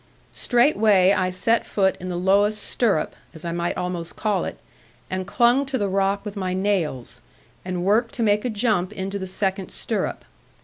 Straightway I set foot in the lowest stirrup (as I might almost call it), and clung to the rock with my nails, and worked to make a jump into the second stirrup.